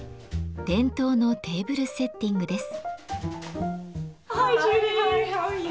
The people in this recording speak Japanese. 伝統のテーブルセッティングです。